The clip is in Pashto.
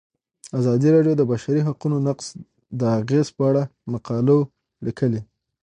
ازادي راډیو د د بشري حقونو نقض د اغیزو په اړه مقالو لیکلي.